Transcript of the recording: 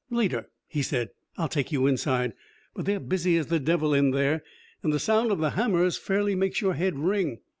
"Later," he said, "I'll take you inside, but they're busy as the devil in there, and the sound of the hammers fairly makes your head ring.